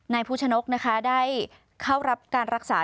นายภูชนกรักไทยได้เข้ารับการรักษา